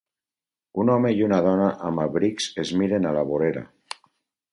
Un home i una dona amb abrics es miren a la vorera.